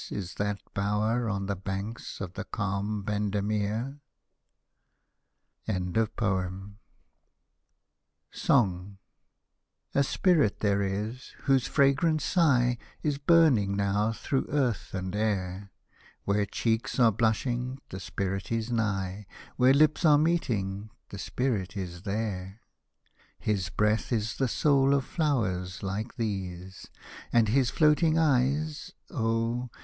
Is that bower on the banks of the calm Bendemeer I SONG A Spirit there is, whose fragrant sigh Is burning now through earth and air ; Where cheeks are blushing, the Spirit is nigh, Where lips are meeting, the Spirit is there I His breath is the soul of flowers hke these. And his floating eyes — oh